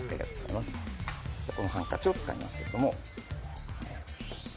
このハンカチを使いますけれども。